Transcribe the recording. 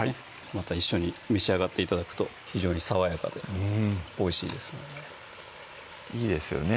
また一緒に召し上がって頂くと非常に爽やかでおいしいですのでいいですよね